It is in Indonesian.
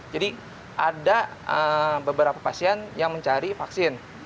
jadi ada beberapa pasien yang mencari vaksin